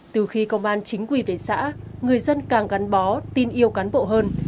từ khi công an chính quy về xã người dân càng gắn bó tin yêu cán bộ hơn